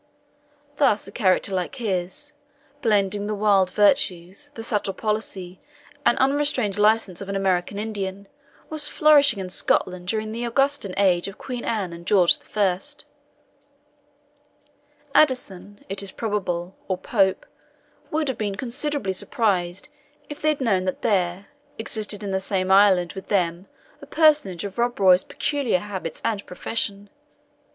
Thus a character like his, blending the wild virtues, the subtle policy, and unrestrained license of an American Indian, was flourishing in Scotland during the Augustan age of Queen Anne and George I. Addison, it is probable, or Pope, would have been considerably surprised if they had known that there existed in the same island with them a personage of Rob Roy's peculiar habits and profession.